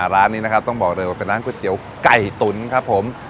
ร้านนี้นะครับต้องบอกเลยว่าเป็นร้านก๋วยเตี๋ยวไก่ตุ๋นครับผม